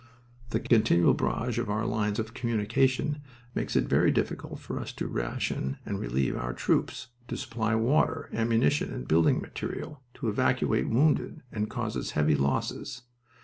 "The continual barrage on our lines of communication makes it very difficult for us to ration and relieve our troops, to supply water, ammunition, and building material, to evacuate wounded, and causes heavy losses.